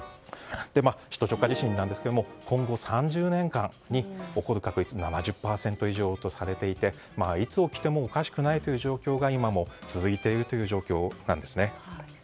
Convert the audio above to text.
首都直下地震ですが今後３０年間に起こる確率７０％以上とされていていつ起きてもおかしくない状況が今も続いているんです。